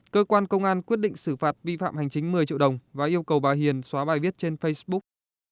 cơ quan công an quyết định xử phạt vi phạm hành chính một mươi triệu đồng và yêu cầu bà hiền xóa bài viết trên facebook